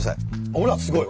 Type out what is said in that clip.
ほらすごい！